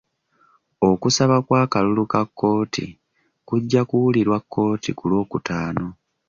Okusaba kw'akakalu ka kkooti kujja kuwulirwa kkooti ku lw'okutaano.